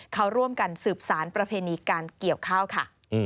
เขาร่วมกันสืบสารประเพณีการเกี่ยวข้าวค่ะ